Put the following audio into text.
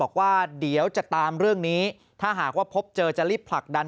บอกว่าเดี๋ยวจะตามเรื่องนี้ถ้าหากว่าพบเจอจะรีบผลักดัน